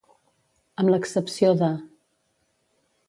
Amb l'excepció de.